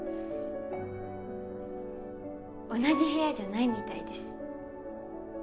同じ部屋じゃないみたいです。